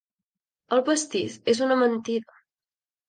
El pastís és una mentida.